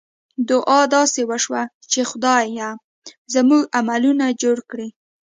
دعا داسې وشوه چې خدایه! زموږ عملونه جوړ کړې.